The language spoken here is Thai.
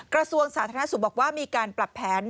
กระทรวงสาธารณสุขบอกว่ามีการปรับแผน